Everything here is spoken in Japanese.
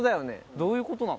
どういうことなの？